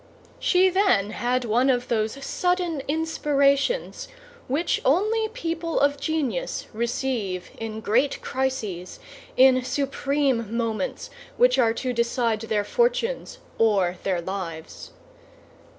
She then had one of those sudden inspirations which only people of genius receive in great crises, in supreme moments which are to decide their fortunes or their lives.